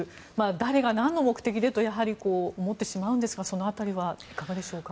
誰がなんの目的でとやはり思ってしまうんですがその辺りはいかがでしょうか。